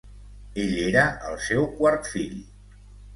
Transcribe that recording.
Ell era el seu quart fill.